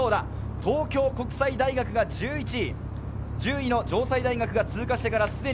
東京国際大学が１１位。